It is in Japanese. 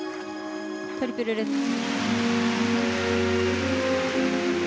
トリプルルッツ。